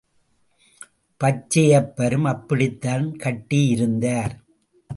பச்சையப்பரும் அப்படித்தான் கட்டி இருந்தார்.